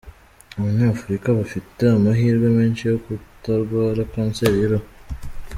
Abanyafurika bafite amahirwe menshi yo kutarwara kanseri y’uruhu